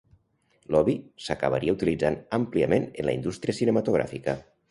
L'"Obie" s'acabaria utilitzant àmpliament en la indústria cinematogràfica.